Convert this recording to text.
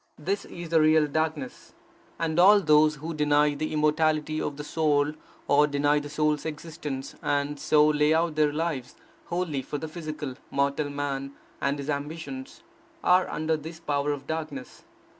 This is the real darkness; and all those who deny the immortality of the soul, or deny the soul's existence, and so lay out their lives wholly for the psychical, mortal man and his ambitions, are under this power of darkness.